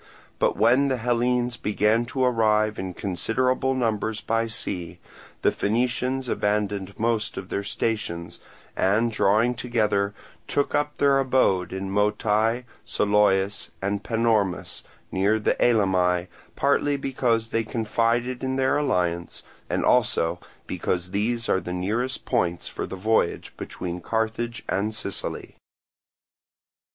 But when the Hellenes began to arrive in considerable numbers by sea, the Phoenicians abandoned most of their stations, and drawing together took up their abode in Motye, Soloeis, and Panormus, near the Elymi, partly because they confided in their alliance, and also because these are the nearest points for the voyage between Carthage and Sicily.